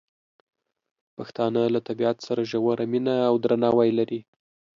پښتانه له طبیعت سره ژوره مینه او درناوی لري.